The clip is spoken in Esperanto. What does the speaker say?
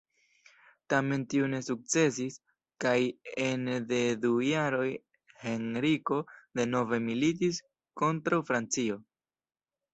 Tamen tiu ne sukcesis, kaj ene de du jaroj Henriko denove militis kontraŭ Francio.